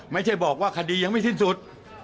ไม่ใช่บอกว่าคดียังไม่สิ้นสุด